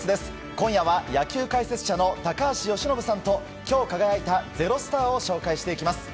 今夜は野球解説者の高橋由伸さんと今日輝いた「＃ｚｅｒｏｓｔａｒ」を紹介していきます。